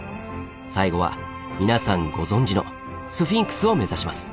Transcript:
最後は皆さんご存じのスフィンクスを目指します。